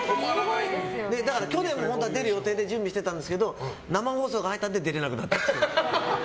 去年本当は出る予定で準備してたんですけど生放送が入ったので出れなくなったんです。